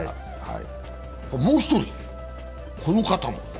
もう一人、この方も。